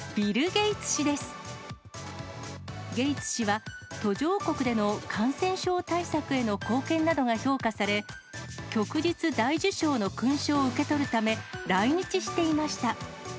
ゲイツ氏は、途上国での感染症対策への貢献などが評価され、旭日大綬章の勲章を受け取るため、来日していました。